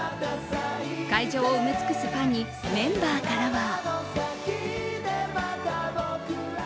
会場を埋め尽くすファンにメンバーからは。